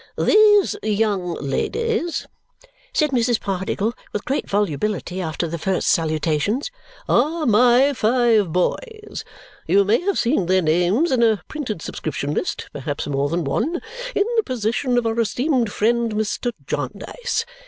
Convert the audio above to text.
"These, young ladies," said Mrs. Pardiggle with great volubility after the first salutations, "are my five boys. You may have seen their names in a printed subscription list (perhaps more than one) in the possession of our esteemed friend Mr. Jarndyce.